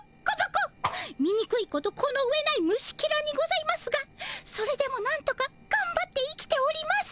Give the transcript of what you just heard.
みにくいことこの上ない虫ケラにございますがそれでもなんとかがんばって生きております！